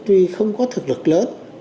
tuy không có thực lực lớn